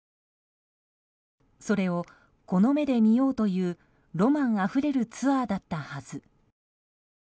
それをこの目で見ようというロマンあふれるツアーだったはず。